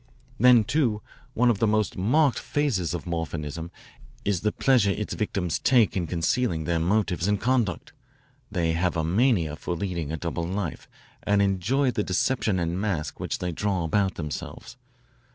"Then, too, one of the most marked phases of morphinism is the pleasure its victims take in concealing their motives and conduct. They have a mania for leading a double life, and enjoy the deception and mask which they draw about themselves.